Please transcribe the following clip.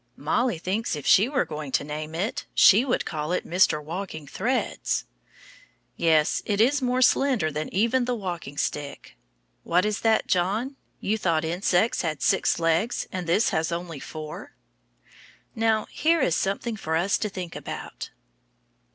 Mollie thinks, if she were going to name it, she would call it Mr. Walking Threads. Yes, it is more slender than even the walking stick. What is that, John? You thought insects had six legs, and this has only four? Now, here is something for us to think about.